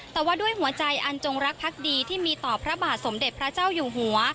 แต่ว่าด้วยหัวใจอันจงรักพักดีที่มีต่อพระบาทสมเด็จพระเจ้าอยู่หัว